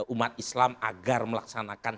umat islam agar melaksanakan